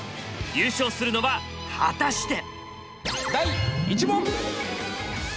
優勝するのは果たして。